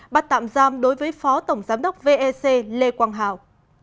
bắt tạm giam đối với phó tổng giám đốc vec lê quang hảo